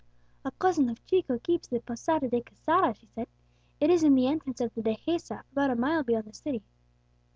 "A cousin of Chico keeps the Posada de Quesada," she said; "it is in the entrance of the Dehesa, about a mile beyond the city."